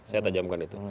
saya tajamkan itu